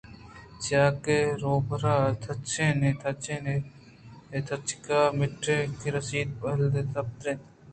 چیاکہ روباہ تچان تچان ءَ تچک ءَ مکّئی ءِ رَسِیتگیں دہل ءَ پُترت